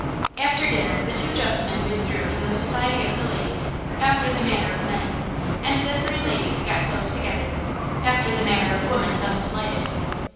After dinner the two gentle men withdrew from the society of the ladies, after the manner of men, and the three ladies got close together, after the manner of women thus slighted.